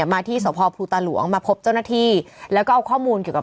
ล่าสุดวันนี้๑๙แล้วนะคะ๑๙สบแล้วค่ะ